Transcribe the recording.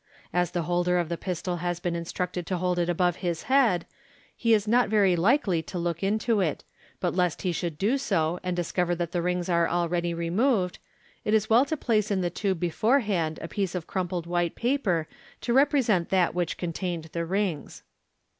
(As the holder of the pistol has been instructed to hold it above his head, he is not very likely to look into it } but lest he should do so, and discover that the rings are already removed, it is well to place in the tube beforehand a piece of crumpled white paper, to represent that which contained the rings.)